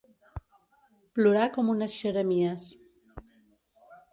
Plorar com unes xeremies.